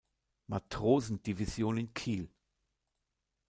Matrosen-Division in Kiel.